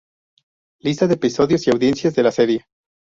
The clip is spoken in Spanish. Lista de episodios y audiencias de la serie.